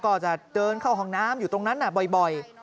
ก็จะเดินเข้าห้องน้ำอยู่ตรงนั้นบ่อย